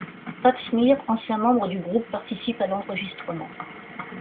Pat Smear, ancien membre du groupe, participe à l'enregistrement.